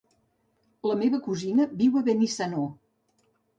La meva cosina viu a Benissanó.